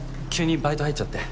バイト入っちゃって